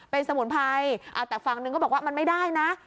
เป็นสมุนไพรแต่ฝั่งหนึ่งก็บอกว่ามันไม่ได้นะ